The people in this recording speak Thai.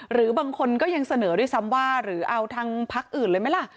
หรือบางคนก็ยังเสนอด้วยซ้ำว่าหรือเอาทางพักอื่นเลยไหมล่ะ